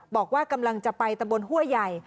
บอกว่ากำลังจะไปตะบนห้วยใหญ่